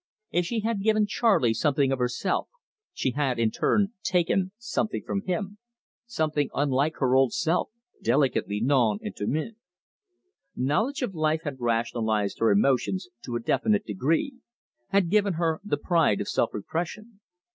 If she had given Charley something of herself, she had in turn taken something from him, something unlike her old self, delicately non intime. Knowledge of life had rationalised her emotions to a definite degree, had given her the pride of self repression.